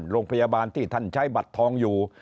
โรงพยาบาลที่ท่านใช้บัตรทองอยู่